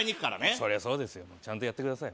そりゃそうですよちゃんとやってください